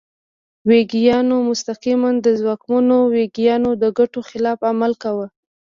ویګیانو مستقیماً د ځواکمنو ویګیانو د ګټو خلاف عمل کاوه.